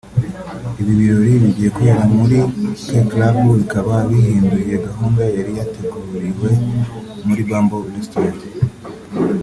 Ibi birori bigiye kubera muri K Club bikaba bihinduye gahunda yari yateguriwe muri Bamboo Restaurant